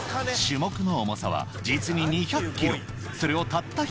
撞木の重さは実に２００キロ。